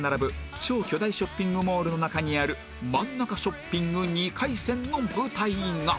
超巨大ショッピングモールの中にある真ん中ショッピング２回戦の舞台が